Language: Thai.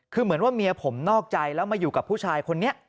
คือเหมือนว่าเมียผมนอกใจแล้วมาอยู่กับผู้ชายคนนี้